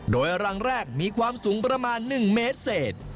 โดยรังแรกมีความสูงประมาณ๑เมตรเศษ